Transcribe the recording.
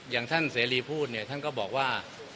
อย่างท่านเสรีพูดเนี่ยท่านก็บอกว่า